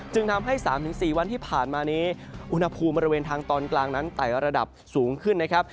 จึงทำให้๓๔วันที่ผ่านมานี้อุณหภูมิบริเวณทางตอนกลางนั้นไต่ระดับสูงขึ้นนะครับ